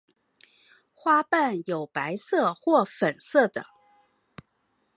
花瓣有白色或粉色的。